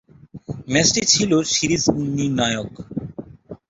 ম্যাচটি ছিল সিরিজ নির্ণায়ক।